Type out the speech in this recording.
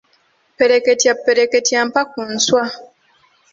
Ppereketya ppereketya mpa ku nswa.